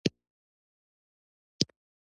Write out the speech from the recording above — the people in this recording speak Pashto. ترکیب د مفاهیمو اړیکه ښيي.